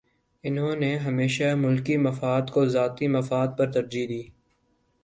انہوں نے ہمیشہ ملکی مفاد کو ذاتی مفاد پر ترجیح دی۔